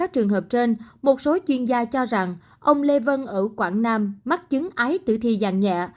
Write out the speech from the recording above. trường hợp trên một số chuyên gia cho rằng ông lê vân ở quảng nam mắc chứng ái tử thi dạng nhẹ